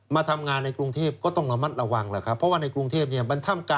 มาทำงานในกรุงเทพก็ต้องระมัดระวังล่ะครับ